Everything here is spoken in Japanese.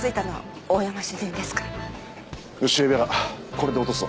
これで落とすぞ。